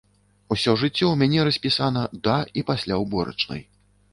Усё жыццё ў мяне распісана да і пасля ўборачнай.